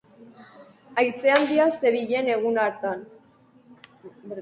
Haize handia zebilen egun hartan.